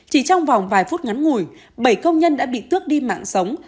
chỉ trong vòng vài phút ngắn ngủi bảy công nhân đã bị tước đi mạng sống